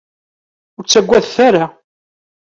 Ur ttagadet ara!